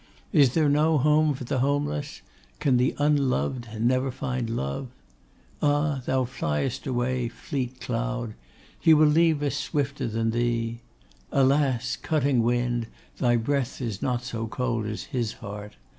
Is there no home for the homeless? Can the unloved never find love? Ah! thou fliest away, fleet cloud: he will leave us swifter than thee! Alas! cutting wind, thy breath is not so cold as his heart!